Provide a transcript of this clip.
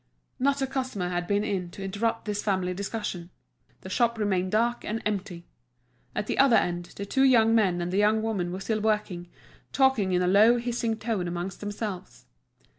Not a customer had been in to interrupt this family discussion; the shop remained dark and empty. At the other end, the two young men and the young women were still working, talking in a low hissing tone amongst themselves.